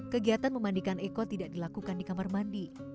kegiatan memandikan eko tidak dilakukan di kamar mandi